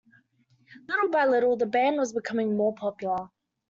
Little by little the band was becoming more popular.